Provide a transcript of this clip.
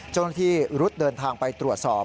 เจ้าหน้าที่รุดเดินทางไปตรวจสอบ